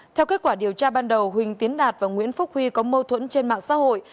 theo kết quả điều tra ban đầu huỳnh tiến đạt và nguyễn phúc huy có mâu thuẫn trên mạng xã hội